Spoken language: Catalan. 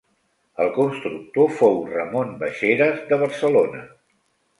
El constructor fou Ramon Baixeres, de Barcelona.